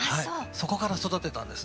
そこから育てたんです。